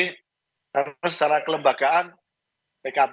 karena secara kelembagaan pkb